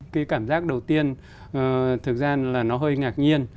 cái cảm giác đầu tiên thực ra là nó hơi ngạc nhiên